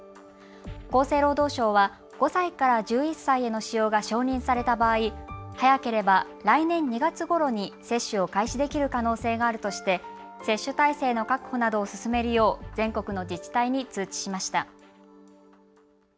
厚生労働省は５歳から１１歳への使用が承認された場合、早ければ来年２月ごろに接種を開始できる可能性があるとして接種体制の確保などを進めるよう全国の自治体に通知しました。